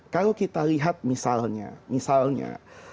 kalau kita lihat misalnya